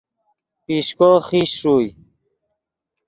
پیشکو خیش ݰوئے